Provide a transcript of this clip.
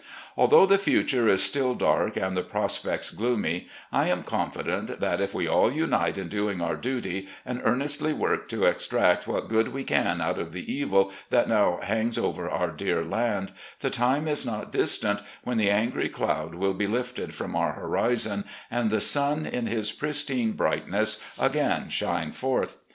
Although the futxire is still dark, and the prospects gloomy, I am confident that, if we all unite in doing our duty, and earnestly work to extract what good we can out of the evil that now hangs over our dear land, the time is not distant when the angry cloud will be l^ed from our horizon and the stm in his pristine brightness again shine forth.